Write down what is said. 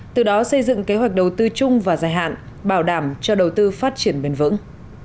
từ đó xây dựng kế hoạch đầu tư chung và dài hạn bảo đảm cho đầu tư phát triển bền vững